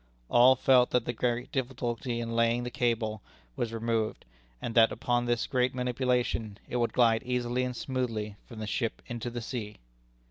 All felt that the great difficulty in laying the cable was removed, and that under this gentle manipulation it would glide easily and smoothly from the ship into the sea.